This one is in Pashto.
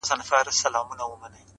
د دروازې له ښورېدو سره سړه سي خونه٫